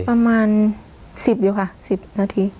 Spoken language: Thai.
ประมาณ๑๐อยู่ค่ะ๑๐นาที